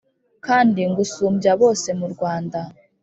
Kandi ngusumbya bose murwanda